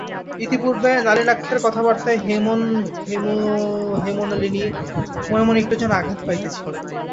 ইতিপূর্বে নলিনাক্ষের কথাবার্তায় হেমনলিনী মনে মনে একটু যেন আঘাত পাইতেছিল।